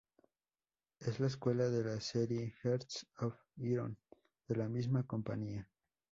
Es la secuela de la serie Hearts of Iron, de la misma compañía.